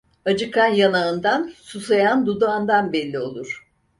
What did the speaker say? Acıkan yanağından, susayan dudağından belli olur.